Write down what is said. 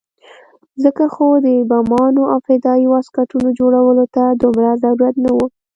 ځکه خو د بمانو او فدايي واسکټونو جوړولو ته دومره ضرورت نه وو.